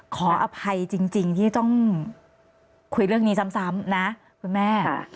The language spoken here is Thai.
ขออภัยจริงที่ต้องคุยเรื่องนี้ซ้ำนะคุณแม่